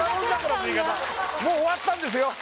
もう終わったんですよ